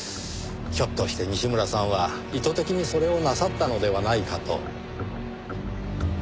ひょっとして西村さんは意図的にそれをなさったのではないかと。